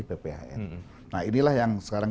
pphn nah inilah yang sekarang